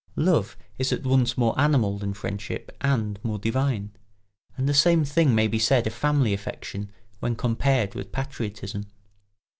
Love is at once more animal than friendship and more divine; and the same thing may be said of family affection when compared with patriotism.